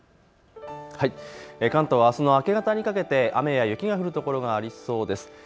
関東、あすの明け方にかけて雨や雪の降る所がありそうです。